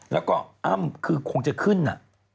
แล้วก็อ้ำคือคงจะขึ้นอ่ะ